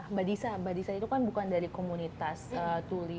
mbak disa mbak disa itu kan bukan dari komunitas tuli